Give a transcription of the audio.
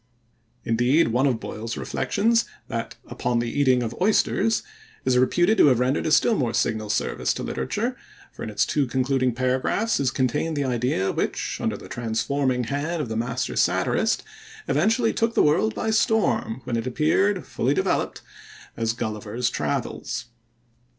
Indeed, one of Boyle's Reflections, that "Upon the Eating of Oysters", is reputed to have rendered a still more signal service to literature, for in its two concluding paragraphs is contained the idea which, under the transforming hand of the master satirist, eventually took the world by storm when it appeared, fully developed, as Gulliver's Travels.